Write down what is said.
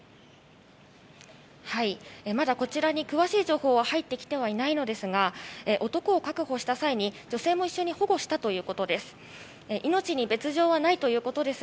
まだこちらに詳しい情報は入ってきていないのですが男を確保した際に女性も一緒に保護したということです。